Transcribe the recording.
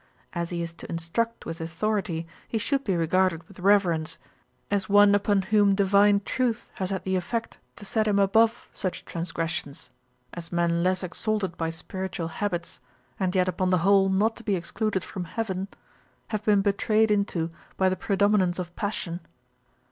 As he is to instruct with authority, he should be regarded with reverence, as one upon whom divine truth has had the effect to set him above such transgressions, as men less exalted by spiritual habits, and yet upon the whole not to be excluded from heaven, have been betrayed into by the predominance of passion.